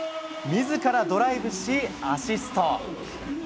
みずからドライブし、アシスト。